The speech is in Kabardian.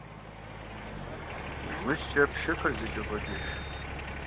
ИужькӀэ пшэхэр зэкӀэщӀокӀыж.